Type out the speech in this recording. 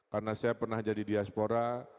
karena saya pernah jadi diaspora